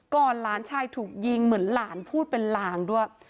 หลานชายถูกยิงเหมือนหลานพูดเป็นลางด้วย